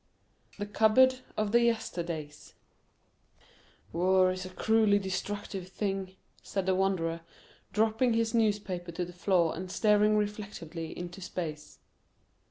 THE CUPBOARD OF THE YESTERDAYS "War is a cruelly destructive thing," said the Wanderer, dropping his newspaper to the floor and staring reflectively into space.